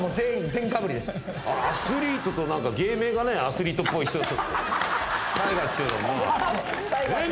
アスリートと芸名がアスリートっぽい人と。